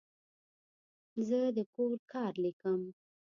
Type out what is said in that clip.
زه د کور کار لیکم.